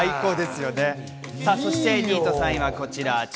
そして２位と３位こちらです。